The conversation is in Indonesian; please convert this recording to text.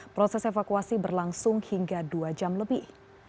proses evakuasi berlangsung hingga dua jam lebih